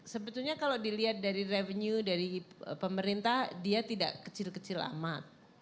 sebetulnya kalau dilihat dari revenue dari pemerintah dia tidak kecil kecil amat